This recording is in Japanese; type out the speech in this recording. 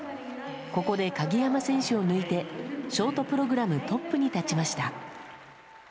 ここで鍵山選手を抜いて、ショートプログラムトップに立ちました。